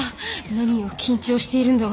何を緊張しているんだ私